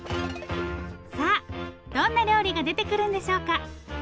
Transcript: さあどんな料理が出てくるんでしょうか。